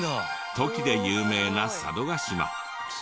トキで有名な佐渡島。